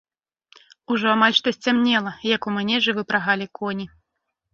Ужо амаль што сцямнела, як у манежы выпрагалі коні.